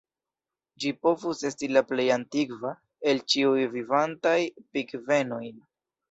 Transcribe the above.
Ĝi povus esti la plej antikva el ĉiuj vivantaj pingvenoj.